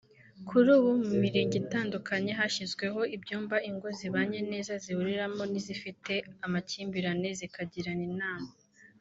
Kuri ubu mu mirenge itandukanye hashyizweho ibyumba ingo zibanye neza zihuriramo n’izifite amakimbirane zikazigira inama